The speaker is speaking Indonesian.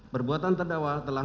perbuatan terdakwa telah